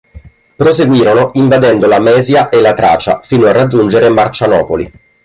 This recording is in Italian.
Proseguirono invadendo la Mesia e la Tracia fino a raggiungere Marcianopoli.